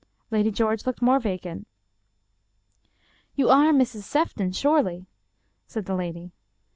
Lady George looked more vacant. " You are Mrs. Sefton, surely," said the lady.